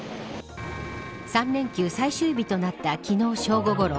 ３連休最終日となった昨日正午ごろ。